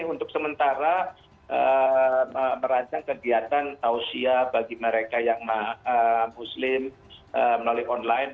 untuk sementara merancang kegiatan tausia bagi mereka yang muslim melalui online